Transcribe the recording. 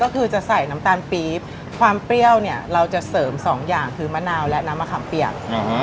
เป็นก๋วยเตี๋ยวต้มยำโบลานไข่ต๊อกค่ะ